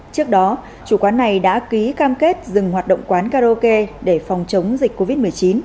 trước đó chủ quán này đã ký cam kết dừng hoạt động quán karaoke để phòng chống dịch covid một mươi chín